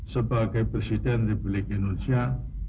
sebagai presiden republik indonesia